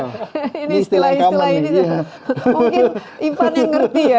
mungkin ivan yang ngerti ya